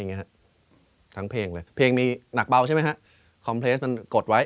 คงต้องกลายเป็นคนจนหล่นใหม่อย่าปล่อยประเทศไทย